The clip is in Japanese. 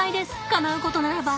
かなうことならば！